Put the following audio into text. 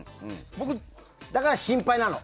だから、僕、心配なの。